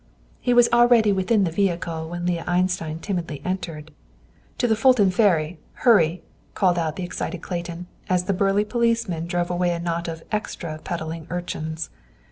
He was already within the vehicle when Leah Einstein timidly entered. "To the Fulton Ferry. Hurry!" called out the excited Clayton, as the burly policeman drove away a knot of "extra" peddling urchins.